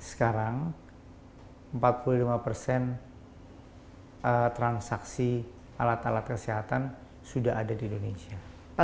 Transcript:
sekarang empat puluh lima transaksi alat alat kesehatan sudah ada di indonesia